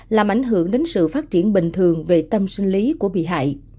làm ảnh hưởng đến sự phát triển bình thường về tâm sinh lý của bị hại